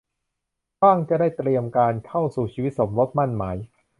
บ้างจะได้เตรียมการเข้าสู่ชีวิตสมรสหมั้นหมาย